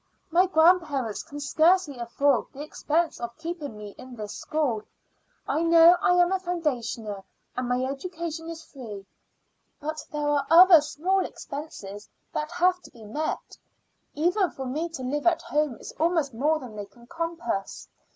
My grandparents can scarcely afford the expense of keeping me in this school. I know I am a foundationer and my education is free; but there are other small expenses that have to be met. Even for me to live at home is almost more than they can compass.